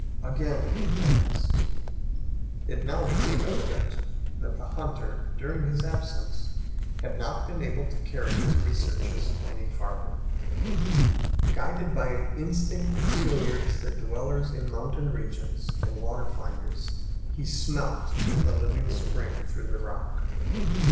Again we advanced. It now became evident that the hunter, during his absence, had not been able to carry his researches any farther. Guided by an instinct peculiar to the dwellers in mountain regions and water finders, he "smelt" the living spring through the rock.